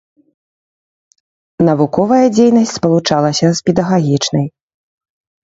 Навуковая дзейнасць спалучалася з педагагічнай.